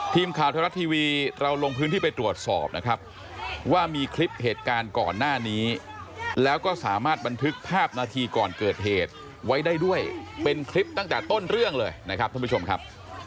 ทีมข่าวไทยรัฐทีวีเราลงพื้นที่ไปตรวจสอบนะครับว่ามีคลิปเหตุการณ์ก่อนหน้านี้แล้วก็สามารถบันทึกภาพนาทีก่อนเกิดเหตุไว้ได้ด้วยเป็นคลิปตั้งแต่ต้นเรื่องเลยนะครับท่านผู้ชมครับ